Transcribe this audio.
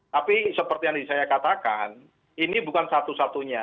tapi seperti yang saya katakan ini bukan satu satunya